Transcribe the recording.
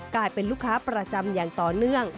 กลายเป็นลูกค้าประจำอย่างต่อเนื่อง